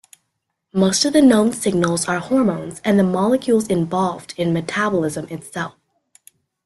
Most of the known signals are hormones and the molecules involved in metabolism itself.